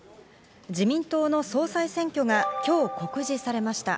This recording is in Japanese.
自民党の総裁選挙が今日告示されました。